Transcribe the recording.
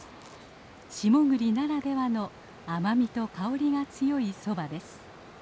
下栗ならではの甘みと香りが強いソバです。